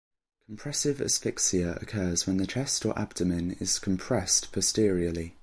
Compressive asphyxia occurs when the chest or abdomen is compressed posteriorly.